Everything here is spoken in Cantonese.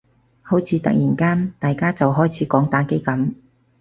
好似突然間大家就開始講打機噉